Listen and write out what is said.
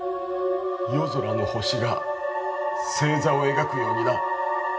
夜空の星が星座を描くようにな。